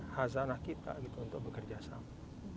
hazanah kita gitu untuk bekerja sama